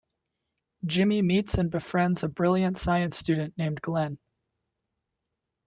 Jimmy meets and befriends a brilliant science student named Glenn.